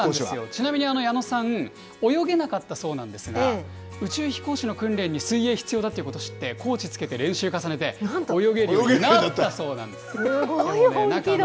ちなみに矢野さん、泳げなかったそうなんですが、宇宙飛行士の訓練に水泳必要だということ知って、コーチつけて練習重ねて、泳げるすごい本気度。